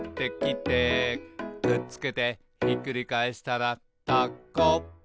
「くっつけてひっくり返したらタコ」